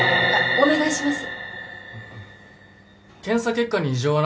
お願いします。